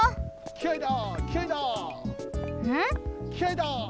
きあいだ！